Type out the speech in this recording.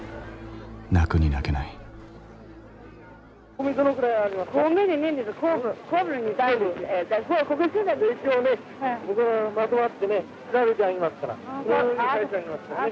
泣くに泣けないああ